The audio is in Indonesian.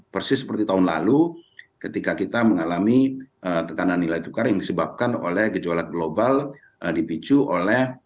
persis seperti tahun lalu ketika kita mengalami tekanan nilai tukar yang disebabkan oleh gejolak global dipicu oleh